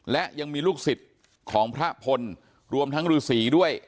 และยังมีลูกศิษย์ของพระพลรวมทั้งฤษีด้วย